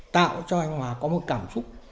tạo cho anh hòa có một cảm xúc